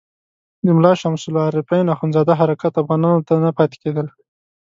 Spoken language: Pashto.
د ملا شمس العارفین اخندزاده حرکات افغانانو ته نه پاتې کېدل.